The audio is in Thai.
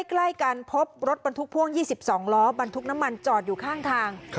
ใกล้กันพบรถบรรทุกพ่วง๒๒ล้อบรรทุกน้ำมันจอดอยู่ข้างทาง